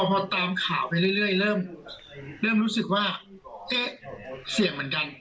พอตามข่าวไปเรื่อยเริ่มรู้สึกว่าเอ๊ะเสี่ยงเหมือนกัน